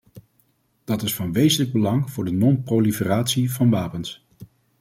Dat is van wezenlijk belang voor de non-proliferatie van wapens.